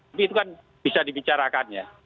tapi itu kan bisa dibicarakan ya